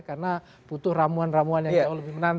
karena butuh ramuan ramuan yang lebih menantang